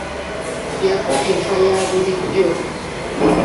Yafa enfa ya bulijjo.